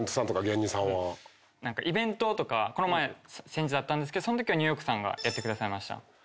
イベントとか先日あったんですけどそのときはニューヨークさんがやってくださいました。